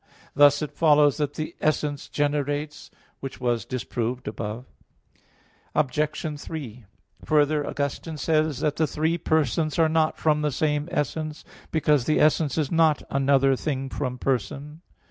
Thus it follows that the essence generates, which was disproved above (Q. 39, A. 5). Obj. 3: Further, Augustine says (De Trin. vii, 6) that the three persons are not from the same essence; because the essence is not another thing from person.